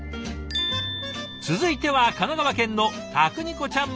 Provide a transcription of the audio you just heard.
続いては神奈川県のたくにこちゃん